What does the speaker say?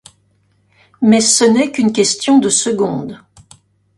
mais ce n'est qu'une question de secondes.